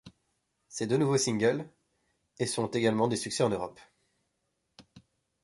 Ses deux nouveaux singles ' et ' sont également des succès en Europe.